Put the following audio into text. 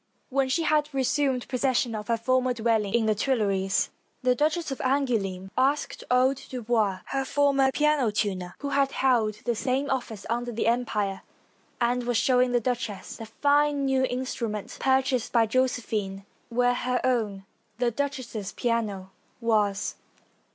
When she had resumed possession of her former dwell ing in the Tuileries, the Duchess of Angouleme asked old Dubois, her former piano tuner, who had held the same office under the Empire and was showing the duch ess the jBjie new instrument purchased by Josephine, where her own, the duchess's piano, was.